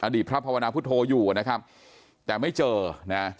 พระภาวนาพุทธโธอยู่นะครับแต่ไม่เจอนะ